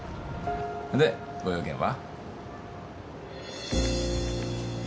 でご用件は？